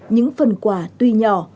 những phần quả tuy nhỏ